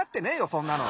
そんなの。